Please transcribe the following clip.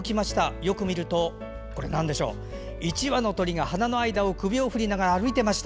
よく見ると１羽の鳥が花の間を首を振りながら歩いていました。